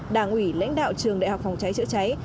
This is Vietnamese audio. đảng ủy lãnh đạo trường đại học phòng cháy chữa cháy